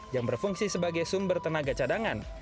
yang berfungsi sebagai sumber tenaga cadangan